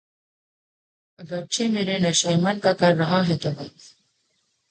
اگرچہ میرے نشیمن کا کر رہا ہے طواف